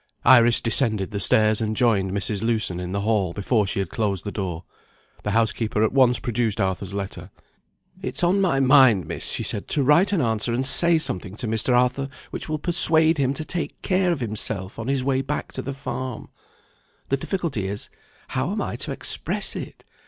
Iris descended the stairs, and joined Mrs. Lewson in the hall before she had closed the door. The housekeeper at once produced Arthur's letter. "It's on my mind, Miss," she said, "to write an answer, and say something to Mr. Arthur which will persuade him to take care of himself, on his way back to the farm. The difficulty is, how am I to express it?